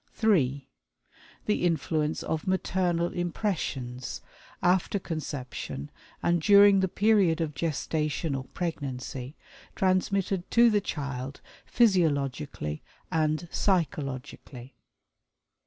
(3) The influence of "maternal impressions" (after conception, and during the period of gestation or pregnancy) transmitted to the child physiologically and psychologically.